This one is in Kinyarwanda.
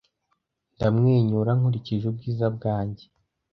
ndamwenyura nkurikije ubwiza bwanjye